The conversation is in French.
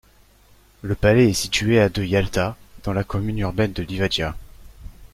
Le palais est situé à de Yalta, dans la commune urbaine de Livadia.